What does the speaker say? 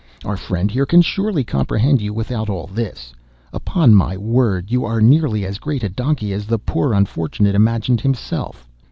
Our friend here can surely comprehend you without all this. Upon my word, you are nearly as great a donkey as the poor unfortunate imagined himself.